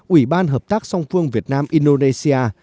ủy ban hợp tác song phương việt nam indonesia